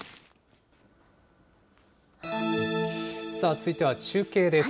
続いては中継です。